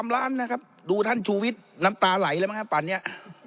๓ล้านนะครับดูท่านชูวิทย์น้ำตาไหลเลยมั้งครับป่านนี้